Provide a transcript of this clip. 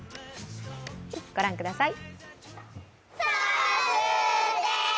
ご覧ください。